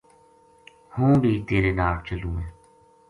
ہوں بی تیرے ناڑ چلوںہے